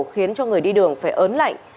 khiến cho người đi đường phải ớn lạnh